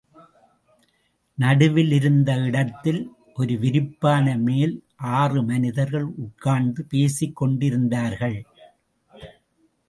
நடுவில் இருந்த இடத்தில் ஒரு விரிப்பின் மேல் ஆறு மனிதர்கள் உட்கார்ந்து பேசிக் கொண்டிருந்தார்கள்.